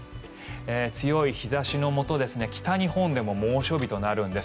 強い日差しのもと、北日本でも猛暑日となるんです。